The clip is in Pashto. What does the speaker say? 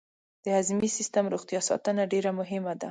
د هضمي سیستم روغتیا ساتنه ډېره مهمه ده.